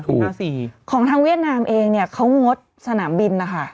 ห้าสี่ของทางเวียดนามเองเนี่ยเขางดสนามบินนะคะ